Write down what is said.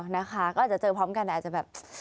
นะคะก็อาจจะเจอพร้อมกันอาจจะแบบ